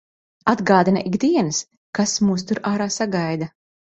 Atgādina ik dienas, kas mūs tur ārā sagaida.